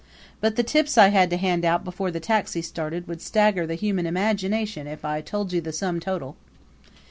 But the tips I had to hand out before the taxi started would stagger the human imagination if I told you the sum total.